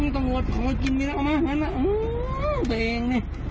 อ๋อตัวโหลดของกินเนื้อเอามาตัวเองนี่